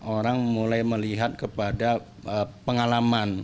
orang mulai melihat kepada pengalaman